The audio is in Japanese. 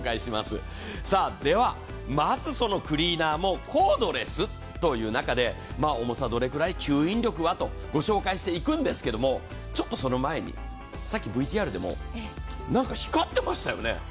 ではまずそのクリーナーもコードレスという中で重さどれくらい、吸引力はとご紹介していくんですけれども、ちょっとその前に、さっきＶＴＲでも何か光ってましたよね。